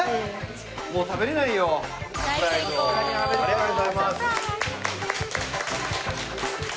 ありがとうございます。